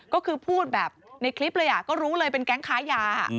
ก็คือพูดแบบในคลิปเลยก็รู้เลยเป็นแก๊งค้ายา